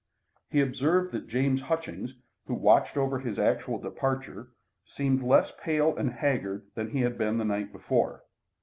He observed that James Hutchings, who watched over his actual departure, seemed less pale and haggard than he had been the night before.